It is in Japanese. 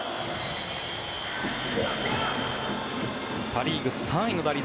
パ・リーグ３位の打率。